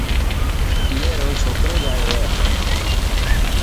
اي رو ڇوڪرو جايو هي.